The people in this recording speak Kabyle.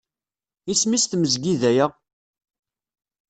Isem-is tmezgida-a.